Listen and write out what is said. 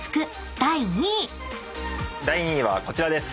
第２位はこちらです。